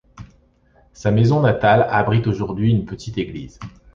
Sa maison natale abrite aujourd'hui une petite église.